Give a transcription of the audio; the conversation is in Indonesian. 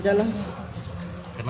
karena nggak pernah diobat